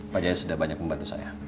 pajaya sudah banyak membantu saya